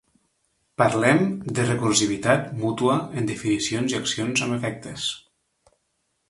Parlem de Recursivitat mútua en definicions i accions amb efectes.